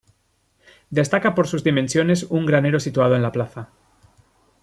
Destaca por sus dimensiones un granero situado en la plaza.